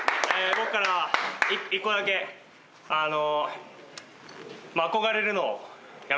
僕から１個だけあの。